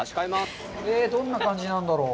どんな感じなんだろう？